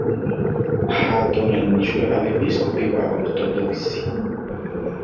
hatoranijwe abepiskopi ba orotodogisi